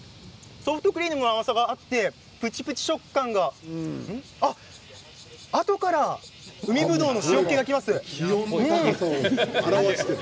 ソフトクリームの甘さがあってぷちぷちの食感があとから海ぶどうの塩けがきます。